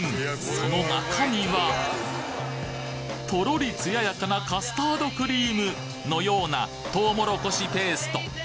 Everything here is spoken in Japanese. その中身はとろり艶やかなカスタードクリームのようなとうもろこしペースト